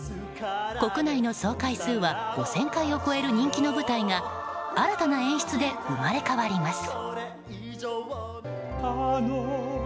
国内の総回数は５０００回を超える人気の舞台が新たな演出で生まれ変わります。